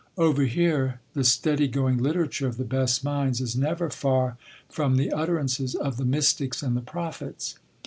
Over here the steady going literature of the best minds is never far from the utterances of the mystics and the prophets.